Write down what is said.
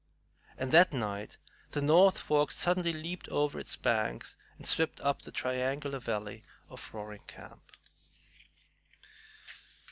And that night the North Fork suddenly leaped over its banks and swept up the triangular valley of Roaring Camp.